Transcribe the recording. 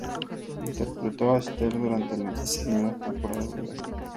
Interpretó a Esther durante las dos primeras temporadas de la serie.